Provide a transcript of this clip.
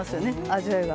味わいが。